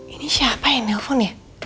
ini siapa yang nelfon ya